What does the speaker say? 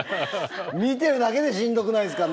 見てるだけでしんどくないですかね。